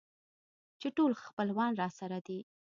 چې ټول خپلوان راسره دي.